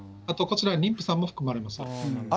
あとこちら、妊婦さんも含まれます。